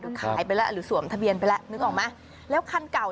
ขายไปแล้วหรือสวมทะเบียนไปแล้วนึกออกไหมแล้วคันเก่า